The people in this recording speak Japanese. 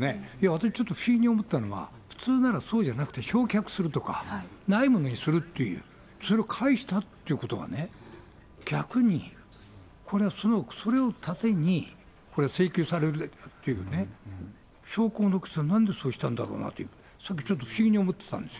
私ちょっと不思議に思ったのは、普通だったらそうじゃなくて、焼却するとか、ないものにするっていう、それを返したっていうことはね、逆にこれはそれを盾に、これ請求されるっていうね、証拠を残した、なんでそうしたんだろうなという、さっき不思議に思ってたんですよ。